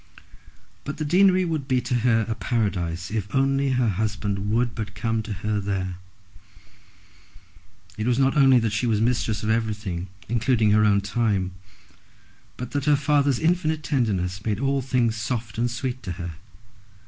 But the deanery would be to her a paradise if only her husband would but come to her there. It was not only that she was mistress of everything, including her own time, but that her father's infinite tenderness made all things soft and sweet to her.